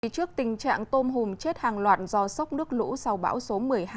trước tình trạng tôm hùm chết hàng loạt do sốc nước lũ sau bão số một mươi hai